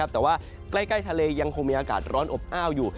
แต่ว่าใกล้ทะเลยังคงมีอากาศร้อนอบอ้าวอยู่